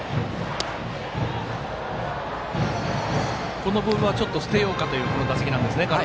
このボールはちょっと捨てようかということでしょうか。